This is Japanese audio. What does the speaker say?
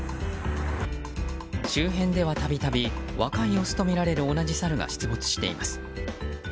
周辺では、度々若いオスとみられる同じサルが出没しています。